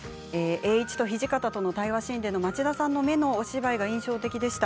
栄一と土方との対話シーンで町田さんの目のお芝居が印象的でした。